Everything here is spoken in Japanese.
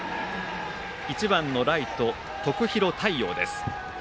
１番のライト、徳弘太陽です。